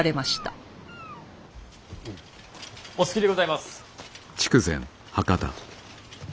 お着きでございます。